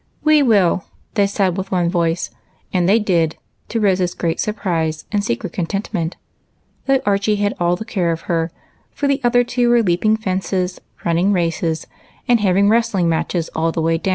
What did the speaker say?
"We will!" they said with one voice, and they did, to Rose's great surprise and secret contentment ; though Archie had all the care of her, for the other two were leaping fences, running races, and having wrestling matches all the way doAvn.